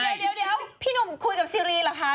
เดี๋ยวพี่หนุ่มคุยกับซีรีส์เหรอคะ